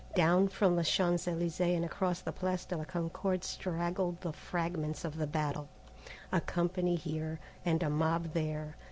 Down from the Champs Elysées and across the Place de la Concorde straggled the fragments of the battle, a company here, and a mob there.